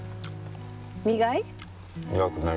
苦い？